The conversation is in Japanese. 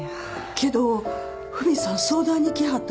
けどフミさん相談に来はったとき。